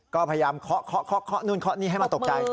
ก็พยายามเคาะนให้มันตกใจ